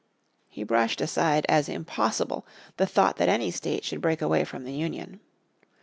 He brushed aside as impossible the thought that any state should break away from the Union.